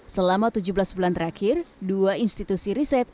selama tujuh belas bulan terakhir dua institusi riset